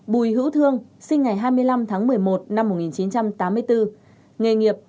bùi hữu thương sinh ngày hai mươi năm tháng một mươi một năm một nghìn chín trăm tám mươi bốn nghề nghiệp